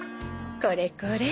これこれ。